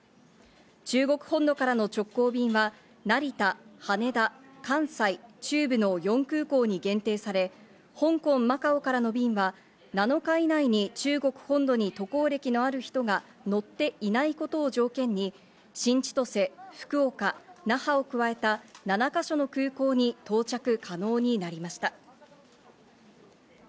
中国本土からの直行便は成田、羽田、関西、中部の４空港に限定され、香港・マカオからの便は７日以内に中国本土に渡航歴のある人が乗っていないことを条件に新千歳、福岡、那覇を加えた７か所の空港に到着可能になりました。